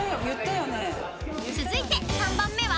［続いて３番目は？］